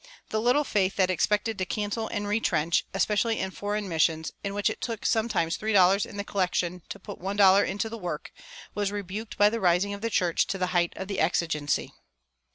The little faith that expected to cancel and retrench, especially in foreign missions, in which it took sometimes three dollars in the collection to put one dollar into the work, was rebuked by the rising of the church to the height of the exigency.